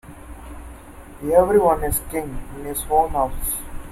Every one is king in his own house.